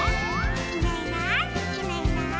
「いないいないいないいない」